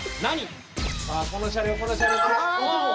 この車両この車両。